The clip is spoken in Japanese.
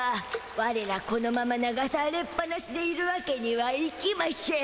ワレらこのまま流されっぱなしでいるわけにはいきましぇん。